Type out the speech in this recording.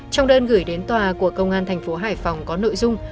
trong đơn gửi đến tòa của công an thành phố hải phòng có nội dung